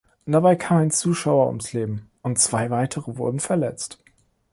Dabei kam ein Zuschauer ums Leben und zwei weitere wurden verletzt.